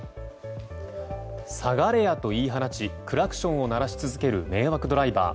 下がれやと言い放ちクラクションを鳴らし続ける迷惑ドライバー。